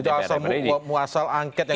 itu asal muasal angket yang sebenarnya